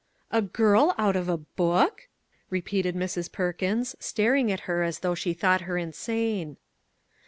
" A girl out of a book !" repeated Mrs. Per kins, staring at her as though she thought her insane.